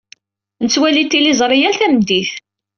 Nettwali tiliẓri yal tameddit.